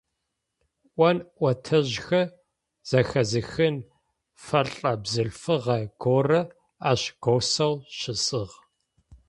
Ӏон-ӏотэжьхэр зэхэзыхын фэлӏэ бзылъфыгъэ горэ ащ госэу щысыгъ.